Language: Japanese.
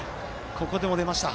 ここでも出ました。